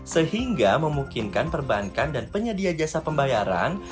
sehingga memungkinkan perbankan dan penyedia jasa pembayaran